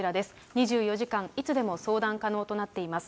２４時間、いつでも相談可能となっています。